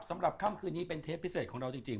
สำหรับค่ำคืนนี้เป็นเทปพิเศษของเราจริง